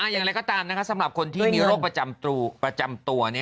อย่างไรก็ตามสำหรับคนที่มีโรคประจำตัว